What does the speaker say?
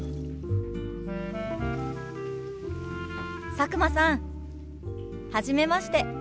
佐久間さんはじめまして。